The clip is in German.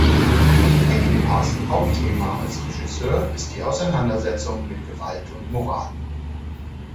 Peckinpahs Hauptthema als Regisseur ist die Auseinandersetzung mit Gewalt und Moral.